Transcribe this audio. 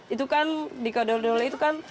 itu kan di kode dole dole itu kan